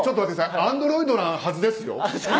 アンドロイドのはずですよ。